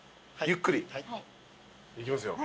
ゆっくり？いきますよ。